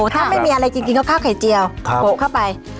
ถ้าไม่มีอะไรจริงก็ข้าวไข่เจียวโปะเข้าไป